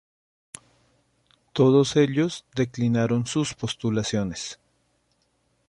Todos ellos declinaron sus postulaciones.